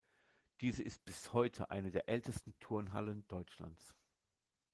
Diese ist bis heute eine der ältesten Turnhallen Deutschlands.